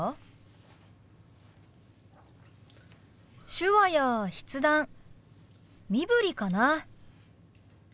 手話や筆談身振りかな。